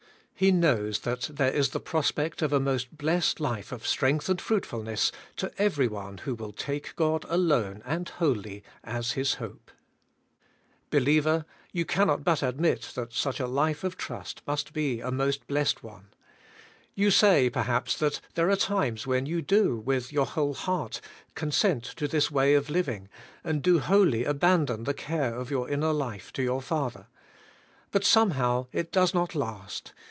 He knows that there is the prospect of a most blessed life of strength and fruit fulness to every one who will take God alone and wholly as his hope. 7 98 ABIDE IN CHRIST: Believer, you cannot but admit that such a life of trust must be a most blessed one. You say, perhaps, that there are times when you do, with your whole heart, consent to this way of living, and do wholly abandon the care of your inner life to your Father. But somehow it does not last.